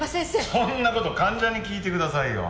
そんな事患者に聞いてくださいよ。